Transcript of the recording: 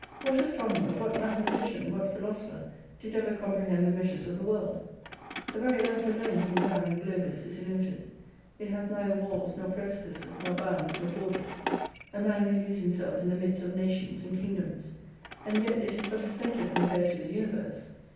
What astronomer, what mathematician, what philosopher did ever comprehend the measures of the world ? The very Earth alone being round and globous, is illimited. It hath neither walls nor preci pices, nor bounds, nor borders. A man may lose himself in the midst of nations and kingdoms. And yet it is but a centre compared to the universe.